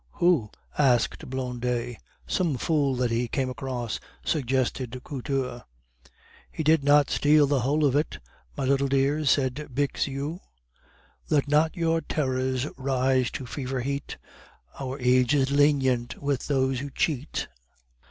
"Who?" asked Blondet. "Some fool that he came across," suggested Couture. "He did not steal the whole of it, my little dears," said Bixiou. "Let not your terrors rise to fever heat, Our age is lenient with those who cheat.